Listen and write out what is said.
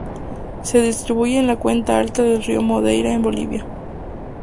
Se distribuye en la cuenca alta del río Madeira en Bolivia.